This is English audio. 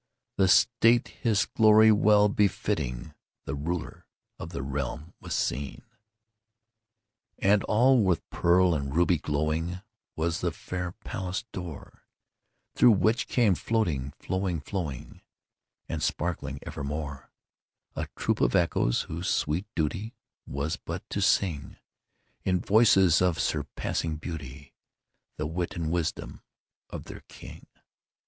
In state his glory well befitting, The ruler of the realm was seen. IV. And all with pearl and ruby glowing Was the fair palace door, Through which came flowing, flowing, flowing, And sparkling evermore, A troop of Echoes whose sweet duty Was but to sing, In voices of surpassing beauty, The wit and wisdom of their king.